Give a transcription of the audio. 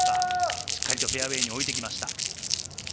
しっかりとフェアウェイに置いてきました。